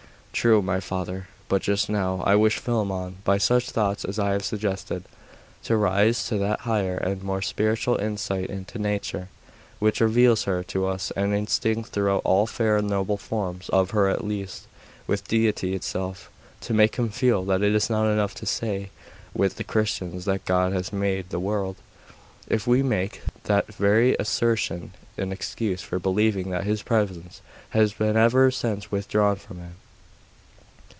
'True, my father: but just now, I wish Philammon, by such thoughts as I have suggested, to rise to that higher and more spiritual insight into nature, which reveals her to us as instinct throughout all fair and noble forms of her at least with Deity itself; to make him feel that it is not enough to say, with the Christians, that God has made the world, if we make that very assertion an excuse for believing that His presence has been ever since withdrawn from it.